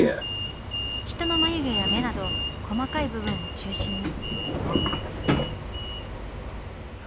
人の眉毛や目など細かい部分を中心に。